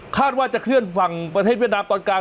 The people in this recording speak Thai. ว่าจะเคลื่อนฝั่งประเทศเวียดนามตอนกลาง